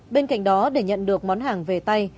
bên cạnh đó để nhận được món hàng về tay